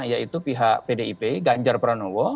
yaitu pihak pdip ganjar pranowo